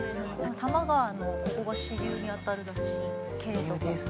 多摩川の、ここが支流に当たるらしいんですけど。